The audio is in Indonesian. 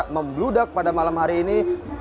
membludak pada malam hari ini